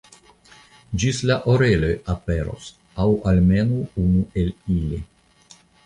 Ĝis la oreloj aperos, aŭ almenaŭ unu el ili.